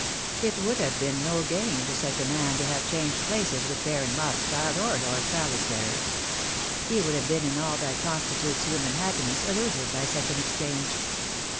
It would have been no gain to such a man to have changed places with Baron Rothschild or Lord Salisbury. He would have been in all that constitutes human happiness a loser by such an exchange.